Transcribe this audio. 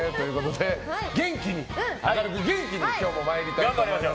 明るく元気に今日もまいりたいと思います！